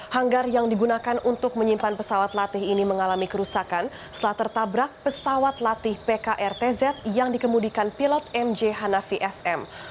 hanggar yang digunakan untuk menyimpan pesawat latih ini mengalami kerusakan setelah tertabrak pesawat latih pkrtz yang dikemudikan pilot mj hanafi sm